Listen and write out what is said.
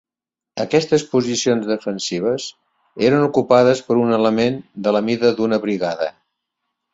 Aquestes posicions defensives eren ocupades per un element de la mida d'una brigada.